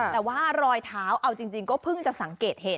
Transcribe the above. แต่ว่ารอยเท้าเอาจริงก็เพิ่งจะสังเกตเห็น